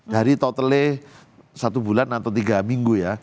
jadi totalnya satu bulan atau tiga minggu ya